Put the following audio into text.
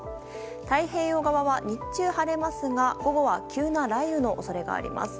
太平洋側は日中晴れますが、午後は急な雷雨のおそれがあります。